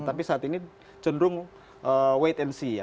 tapi saat ini cenderung wait and see ya